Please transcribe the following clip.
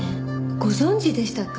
ご存じでしたか？